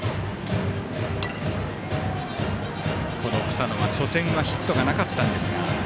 草野は、初戦はヒットがなかったんですが。